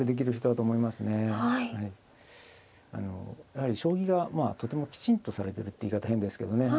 やはり将棋がとてもきちんとされてるって言い方変ですけどね